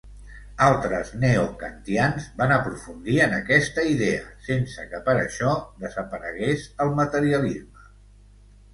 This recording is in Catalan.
Altres neokantians van aprofundir en aquesta idea, sense que per això desaparegués el materialisme.